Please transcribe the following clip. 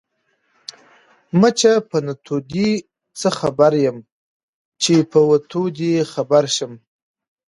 ـ مچه په نتو دې څه خبر يم ،چې په وتو دې خبر شم.